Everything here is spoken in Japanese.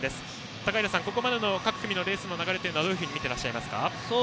高平さん、ここまでの各組のレースの流れどういうふうに見ていらっしゃいますか？